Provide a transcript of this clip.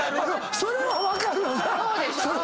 それ分かる。